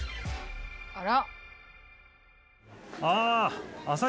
あら！